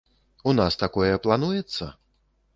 У нас такое плануецца?